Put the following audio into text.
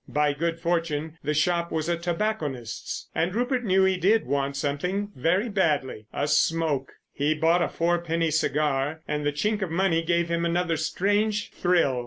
By good fortune the shop was a tobacconist's—and Rupert knew he did want something very badly. A smoke. He bought a four penny cigar, and the chink of money gave him another strange thrill.